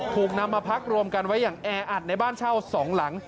ถูกนำมาพักรวมกันไว้อย่างแออัดในบ้านเช่าสองหลัง